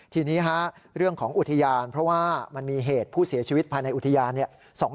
ทีนี้เรื่องของอุทยานเพราะว่ามันมีเหตุผู้เสียชีวิตภายในอุทยานเนี่ย